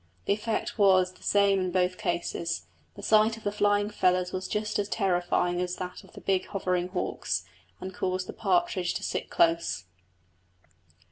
The effect was the same in both cases; the sight of the flying feathers was just as terrifying as that of the big hovering hawks, and caused the partridge to sit close.